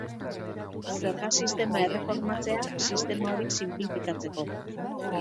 Zerga sistema erreformatzea, sistema hori sinplifikatzeko.